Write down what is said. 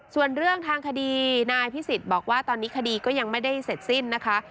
ส่วนเรื่องทางคดีนายพิสิทธิ์บอกว่าตอนนี้คดีก็ยังไม่ได้เสร็จสิ้นนะคะ